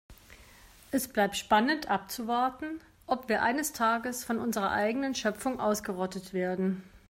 Es bleibt spannend abzuwarten, ob wir eines Tages von unserer eigenen Schöpfung ausgerottet werden.